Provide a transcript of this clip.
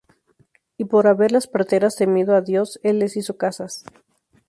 Y por haber las parteras temido á Dios, él les hizo casas.